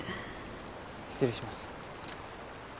失礼します。